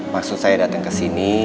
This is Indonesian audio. maksud saya datang kesini